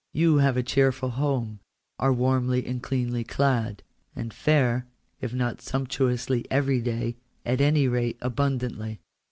You have a cheerful home, are warmly and cleanly clad, and fare, if not sumptuously every day, at any rate abund antly.